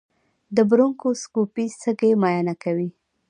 د برونکوسکوپي سږي معاینه کوي.